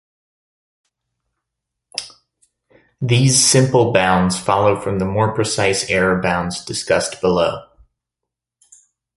These simple bounds follow from the more precise error bounds discussed below.